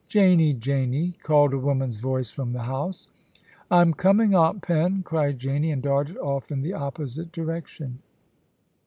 * Janie, Janie,' called a woman's voice from the house. ' I'm coming. Aunt Pen,' cried Janie, and darted off in the opposite direction.